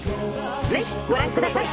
ぜひご覧ください。